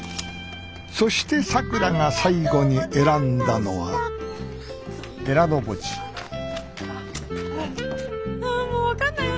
そしてさくらが最後に選んだのはああ分かんないよ